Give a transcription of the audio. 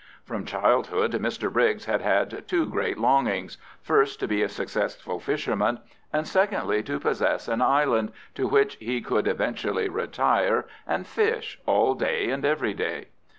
From childhood Mr Briggs had had two great longings—first, to be a successful fisherman, and secondly, to possess an island, to which he could eventually retire and fish all day and every day.